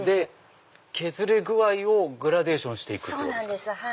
削れ具合をグラデーションしていくってことですか。